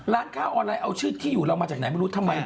ร้านค้าออนไลน์เอาชื่อที่อยู่เรามาจากไหนไม่รู้ทำไม